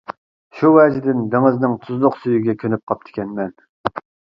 شۇ ۋەجىدىن دېڭىزنىڭ تۇزلۇق سۈيىگە كۆنۈپ قاپتىكەنمەن.